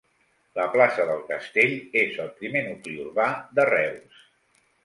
La plaça del Castell és el primer nucli urbà de Reus.